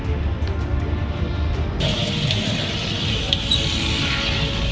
สวัสดีครับคุณผู้ชาย